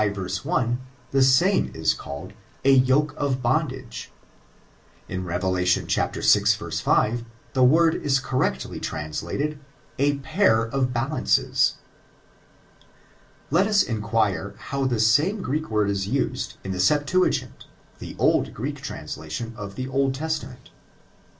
v. 1, the same is called a yoke of bondage." In Rev. vL 5, the word is correctly translated <«a pair of balances." Let us inquire how the same Greek word is used, in the Septuagint — ^the old Greek translation of the Old Testament.